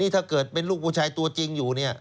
ถ้าเกิดเป็นลูกผู้ชายตัวจริงอยู่เนี่ย